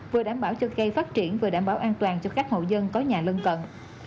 vừa đảm bảo cho cây phát triển vừa đảm bảo an toàn cho các hộ dân có nhà lân cận